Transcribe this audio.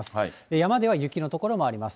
山では雪の所もあります。